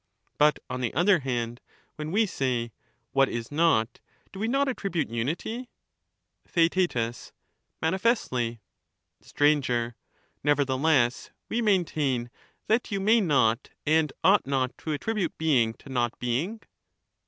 But, on the other hand, when we say 'what is not,* do we not attribute unity ? TheaeU Manifestly. Str. Nevertheless, we maintain that you may not and ought not to attribute being to not being